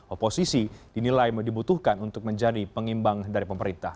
oposisi dinilai dibutuhkan untuk menjadi pengimbang dari pemerintah